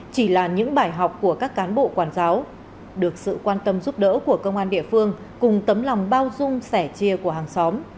chỉ là những bài học của các cán bộ quản giáo được sự quan tâm giúp đỡ của công an địa phương cùng tấm lòng bao dung sẻ chia của hàng xóm